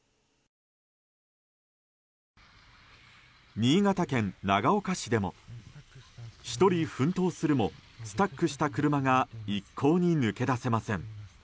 新潟県長岡市でも１人奮闘するもスタックした車が一向に抜け出せません。